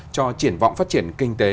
cho triển vọng phát triển kinh tế